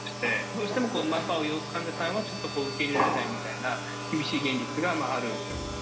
どうしてもマンパワーを要する患者さんはちょっと受け入れられないみたいな、厳しい現実がある。